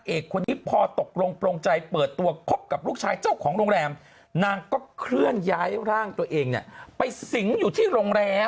เอกคนนี้พอตกลงโปรงใจเปิดตัวคบกับลูกชายเจ้าของโรงแรมนางก็เคลื่อนย้ายร่างตัวเองเนี่ยไปสิงอยู่ที่โรงแรม